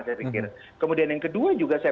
saya pikir kemudian yang kedua juga saya